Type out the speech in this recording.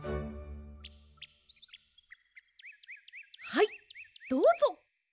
はいどうぞ。